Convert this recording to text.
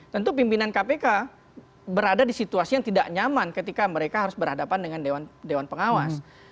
tentu pimpinan kpk berada di situasi yang tidak nyaman ketika mereka harus berhadapan dengan dewan pengawas